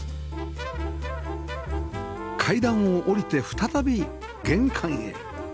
階段を下りて再び玄関へ